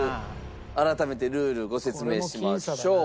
改めてルールご説明しましょう。